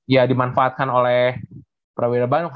ya dimanfaatkan oleh prawira bandung